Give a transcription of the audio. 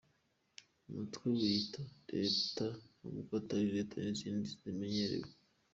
Uyu mutwe wiyita “Leta” nubwo atari Leta nk’izindi zimenyerewe.